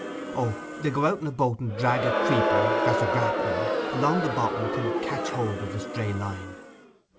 'O, they'll go out in a boat and drag a creeper—that's a grapnel—along the bottom till it catch hold of the stray line.